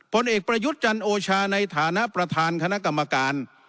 ผลเอกประยุทธ์จันโอชาในฐานะประธานคณะกรรมการ